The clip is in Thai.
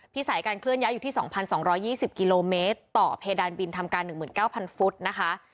สัยการเคลื่อนย้ายอยู่ที่๒๒๒๐กิโลเมตรต่อเพดานบินทำการ๑๙๐๐ฟุตนะคะ